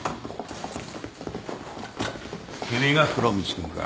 君が風呂光君か。